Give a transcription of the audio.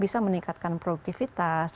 bisa meningkatkan produktivitas